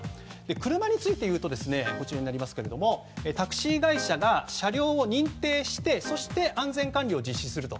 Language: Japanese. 車についていうとタクシー会社が車両を認定してそして安全管理を実施すると。